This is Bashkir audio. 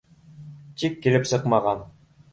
Тик килеп сыҡмаған